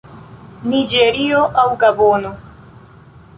Niĝerio aŭ Gabono.